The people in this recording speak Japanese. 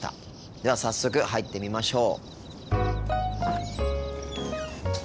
では早速入ってみましょう。